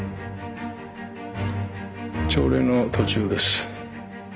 朝礼の途中です。